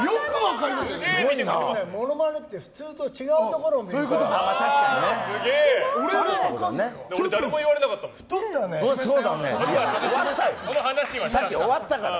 モノマネって普通と違うところを見るから。